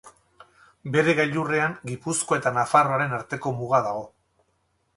Bere gailurrean Gipuzkoa eta Nafarroaren arteko muga dago.